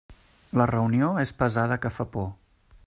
La reunió és pesada que fa por.